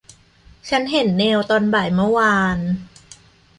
ฉันเห็นเนลตอนบ่ายเมื่อวาน